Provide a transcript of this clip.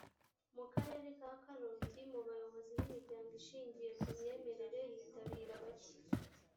mu karere ka karongi mu bayobozi bimiryango ishingiye ku myemerere hitabira bake